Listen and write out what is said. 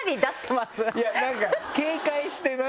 いやなんか警戒してない？